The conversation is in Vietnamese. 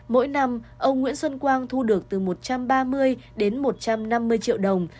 mỗi năm ông nguyễn xuân quang thu được từ một trăm ba mươi đến một trăm năm mươi triệu đồng